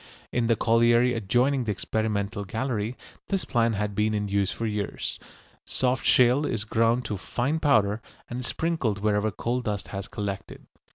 In the colliery adjoining the experimental gallery this plan had been in use for years. Soft shale is ground to fine powder, and is sprinkled wherever coal dust has collected.